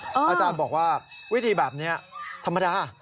อาจารย์บอกว่าวิธีแบบนี้ธรรมดา